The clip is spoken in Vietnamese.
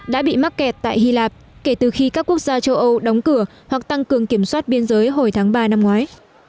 đã bị mắc kẹt tại hy lạp kể từ khi các quốc gia châu âu đóng cửa hoặc tăng cường kiểm soát biên giới hồi tháng ba năm ngoái